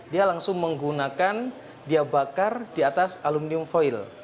dia langsung menggunakan dia bakar di atas aluminium foil